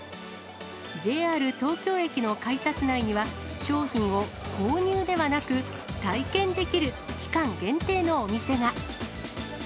ＪＲ東京駅の改札内には、商品を購入ではなく、体験できる、期間限定のお店が。